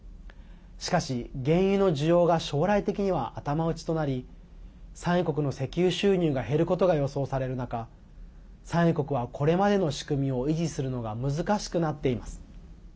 しかし、原油の需要が将来的には頭打ちとなり産油国の石油収入が減ることが予想される中産油国は、これまでの仕組みを維持するのが難しくなっています。